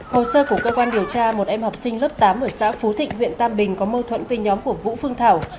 hồ sơ của cơ quan điều tra một em học sinh lớp tám ở xã phú thịnh huyện tam bình có mâu thuẫn với nhóm của vũ phương thảo